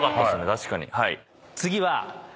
確かに。